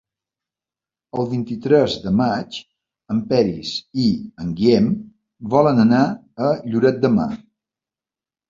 El vint-i-tres de maig en Peris i en Guillem volen anar a Lloret de Mar.